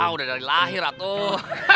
udah dari lahir ya tuh